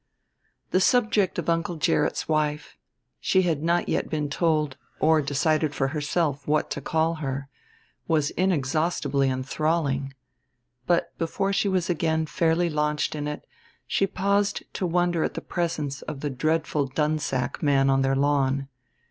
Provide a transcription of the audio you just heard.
The subject of Uncle Gerrit's wife she had not yet been told or decided for herself what to call her was inexhaustibly enthralling. But, before she was again fairly launched in it, she paused to wonder at the presence of the dreadful Dunsack man on their lawn.